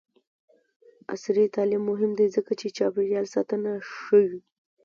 عصري تعلیم مهم دی ځکه چې چاپیریال ساتنه ښيي.